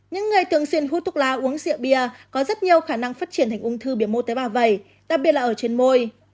những người thường xuyên hút thuốc lá uống rượu bia có rất nhiều khả năng phát triển thành ung thư biểu mô tế ba vẩy đặc biệt là ở trên môi